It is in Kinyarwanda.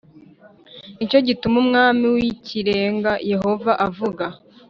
Ni cyo gituma Umwami w Ikirenga Yehova avuga